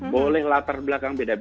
boleh latar belakang